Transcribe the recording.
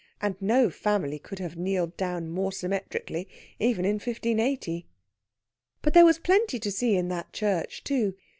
And no family could have kneeled down more symmetrically, even in 1580. But there was plenty to see in that church, too.